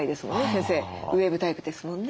先生ウエーブタイプですもんね。